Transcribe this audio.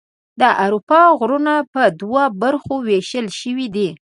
د اروپا غرونه په دوه برخو ویشل شوي دي.